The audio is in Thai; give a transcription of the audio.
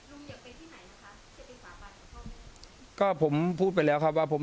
อุ่มอยากไปที่ไหนนะคะจะไปสระบานกับครอบครัว